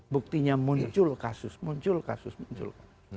buktinya muncul kasus muncul kasus muncul